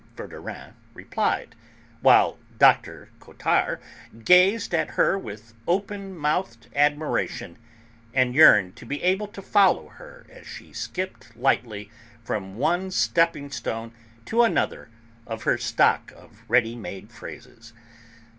Verdurin replied, while Dr. Cottard gazed at her with open mouthed admiration, and yearned to be able to follow her as she skipped lightly from one stepping stone to another of her stock of ready made phrases.